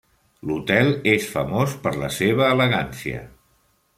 L’hotel és famós per la seva elegància.